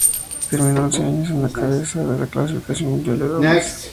Terminó once años a la cabeza de la clasificación mundial de dobles.